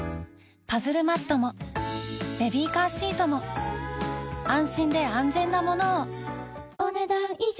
パズルマットもベビーカーシートも安心で安全なものをお、ねだん以上。